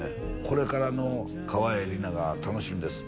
これからの川栄李奈が楽しみです